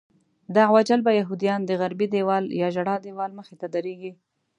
دعوه جلبه یهودیان د غربي دیوال یا ژړا دیوال مخې ته درېږي.